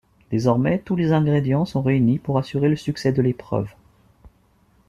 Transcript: Désormais, tous les ingrédients sont réunis pour assurer le succès de l'épreuve.